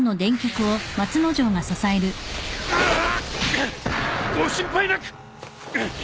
がっ！ご心配なく！